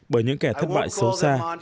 bởi những kẻ thất bại xấu xa